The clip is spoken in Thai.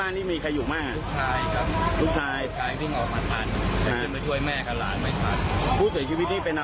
แล้วตอนนั้นเขาก็มันทำอะไรอยู่รู้ไหมครับ